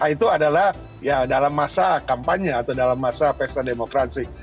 itu adalah dalam masa kampanye atau dalam masa pesta demokrasi